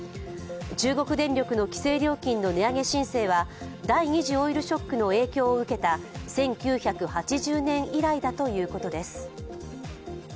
中国電力の規制料金の値上げ申請は第２次オイルショックの影響を受けた１９８０年以来だということです。